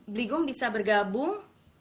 beligum bisa bergabung